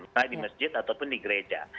entah di masjid ataupun di gereja